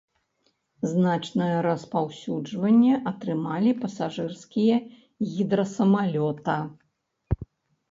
Значнае распаўсюджванне атрымалі пасажырскія гідрасамалёта.